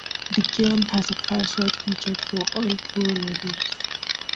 The game has a password feature for all four levels.